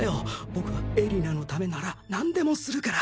僕は絵里菜のためなら何でもするから。